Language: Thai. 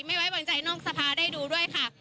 ไม่ไว้วางใจนอกสภาได้ดูด้วยค่ะ